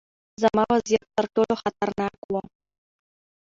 زما وضعیت ترټولو خطرناک و.